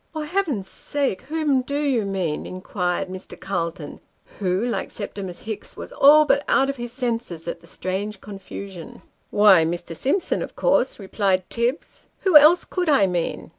" For Heaven's sake, whom do you mean ?" inquired Mr. Calton, who, like Septimus Hicks, was all but out of his senses at the strange confusion. " Why Mr. Simpson, of course," replied Tibbs ;" who else could I mean